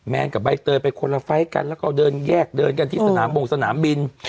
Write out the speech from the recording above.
กับใบเตยไปคนละไฟล์กันแล้วก็เดินแยกเดินกันที่สนามบงสนามบิน